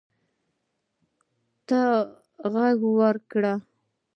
تا ږغ را وکړئ.